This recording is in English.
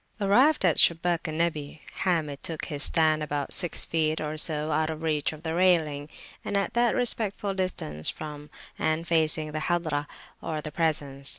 Arrived at the Shubak al Nabi, Hamid took his stand about six feet or so out of reach of the railing, and at that respectful distance from, and facing[FN#33] the Hazirah (or presence), [p.